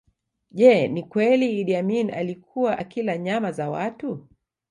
Je ni kweli Iddi Amini alikuwa akila nyama za watu